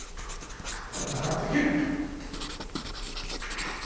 お前ならできる。